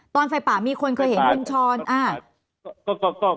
ตอนไฟป่ามีคนเคยเห็นคุณช้อน